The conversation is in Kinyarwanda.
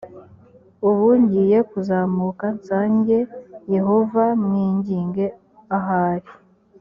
ubu ngiye kuzamuka nsange yehova mwinginge ahari